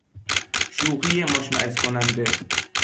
شوخی مشمئز کننده